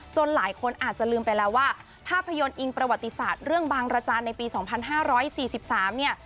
หลายคนอาจจะลืมไปแล้วว่าภาพยนตร์อิงประวัติศาสตร์เรื่องบางระจานในปี๒๕๔๓เนี่ย